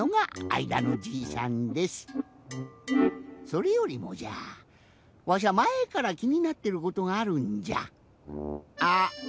それよりもじゃわしゃまえからきになってることがあるんじゃ。